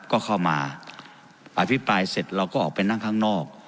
ก็เข้ามาอภิปรายเสร็จเราก็ออกไปนั่งข้างนอก